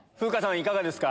いかがですか？